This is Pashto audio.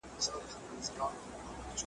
د سپوږمۍ نه تپوس